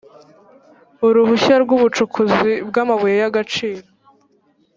uruhushya rw ubucukuzi bw amabuye y agaciro